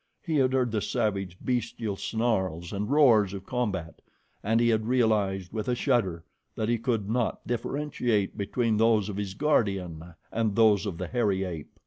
He had heard the savage, bestial snarls and roars of combat, and he had realized with a shudder that he could not differentiate between those of his guardian and those of the hairy ape.